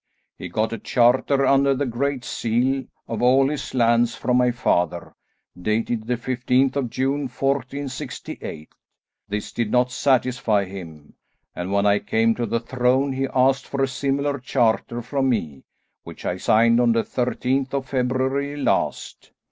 He got a charter under the Great Seal, of all his lands, from my father, dated the fifteenth of June, 1468. This did not satisfy him, and when I came to the throne he asked for a similar charter from me, which I signed on the thirteenth of February last.